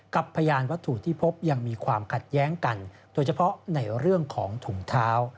พยานวัตถุที่พบยังมีความขัดแย้งกันโดยเฉพาะในเรื่องของถุงเท้า